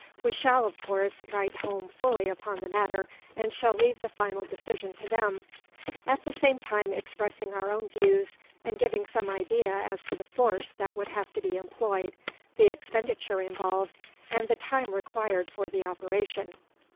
We shall, of course, write home fully upon the matter, and shall leave the final decision to them; at the same time expressing our own views, and giving some idea as to the force that would have to be employed, the expenditure involved, and the time required for the operation.